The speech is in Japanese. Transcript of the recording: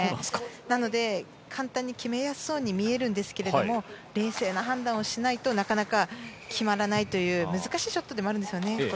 なので、簡単に決めやすそうに見えるんですけど冷静な判断をしないとなかなか決まらないという難しいショットでもあるんです。